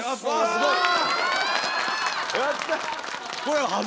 すごい！